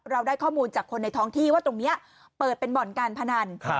เราได้ข้อมูลจากคนในท้องที่ว่าตรงนี้เปิดเป็นบ่อนการพนัน